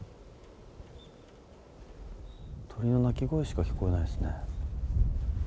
鳥の鳴き声しか聞こえないですね。